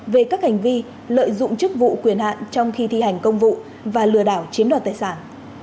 về các hành vi lợi dụng chức vụ quyền hạn trong khi thi hành công vụ và lừa đảo chiếm đoạt tài sản